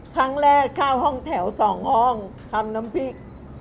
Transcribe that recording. ครั้งแรกเช่าห้องแถว๒ห้องทำน้ำพริก